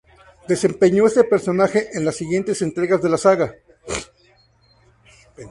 Desempeño este personaje en las siguientes entregas de la saga.